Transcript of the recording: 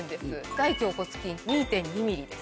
大頬骨筋２．２ｍｍです。